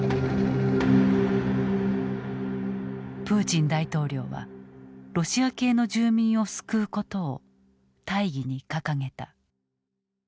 プーチン大統領はロシア系の住民を救うことを大義に掲げた。